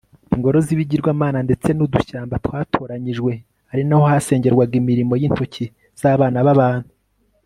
Ingoro zibigiwamana ndetse nudushyamba twatoranyijwe ari naho hasengerwaga imirimo yintoki zabana babantu